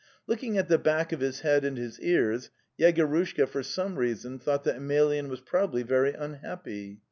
Looking at the back of his head and his ears, Yegorushka, for some reason, thought that Emelyan was probably very unhappy.